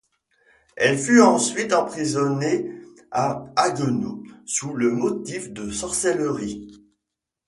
Elle fut ensuite emprisonnée à Haguenau sous le motif de sorcellerie.